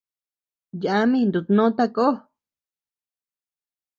Yami nutnó takó.